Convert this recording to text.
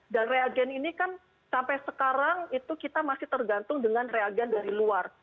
dan reagen ini sampai sekarang kita masih tergantung dengan reagen dari luar